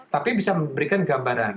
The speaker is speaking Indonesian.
tapi bisa memberikan gambaran